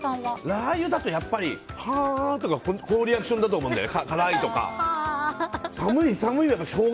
ラー油だとやっぱりはとかこういうリアクションだと思うんだよね。